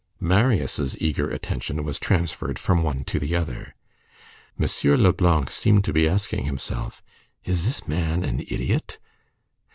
Marius' eager attention was transferred from one to the other. M. Leblanc seemed to be asking himself: "Is this man an idiot?"